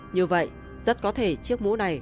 như vậy rất có thể chiếc mũ này